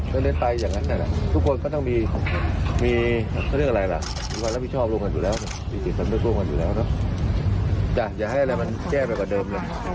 จะอย่าเอาแรงวันแก้ไหมกว่าเดิมนะครับ